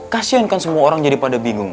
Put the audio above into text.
kasian kan semua orang jadi pada bingung